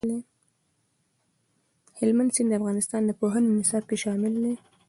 هلمند سیند د افغانستان د پوهنې نصاب کې شامل دي.